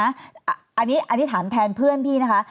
อันนี้ถามแทนเพื่อนพี่นะคะ